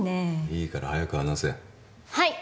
いいから早く話せはい！